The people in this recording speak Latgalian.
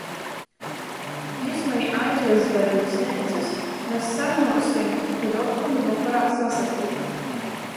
Jis mani aizvess da vīsneicys, mes sarunuosim, kod otkon vokorā sasatikt.